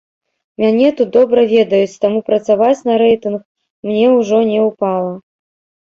Мяне тут добра ведаюць, таму працаваць на рэйтынг мне ўжо не ўпала.